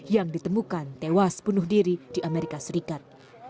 yang ditemukan tewas bunuh diri di amerika serikat